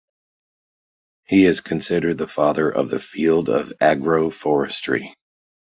He is considered the father of the field of Agroforestry.